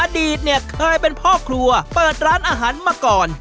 อดีตเนี่ยเคยเป็นพ่อครัวเปิดร้านอาหารมาก่อน